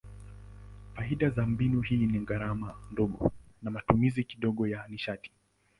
Faida za mbinu hii ni gharama ndogo na matumizi kidogo ya nishati.